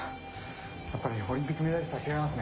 やっぱりオリンピックメダリストは違いますね。